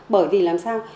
bởi vì làm sao